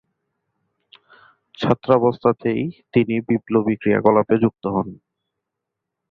ছাত্রাবস্থাতেই তিনি বিপ্লবী ক্রিয়াকলাপে যুক্ত হন।